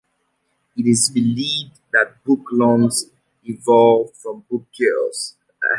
It is believed that book lungs evolved from book gills.